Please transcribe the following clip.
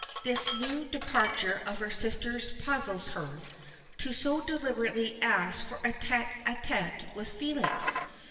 this new departure of her sister's puzzles her. To so deliberately ask for a tête a tête with Felix!